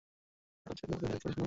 আমার ছেলে তোমার মেয়েকে পছন্দ করে।